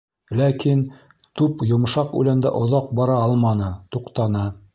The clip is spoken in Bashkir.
Ләкин туп йомшаҡ үләндә оҙаҡ бара алманы, туҡтаны.